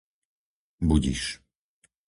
Budiš